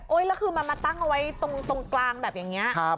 โอ้ยแล้วคือมันมาตั้งไว้ตรงตรงกลางแบบอย่างเงี้ยครับ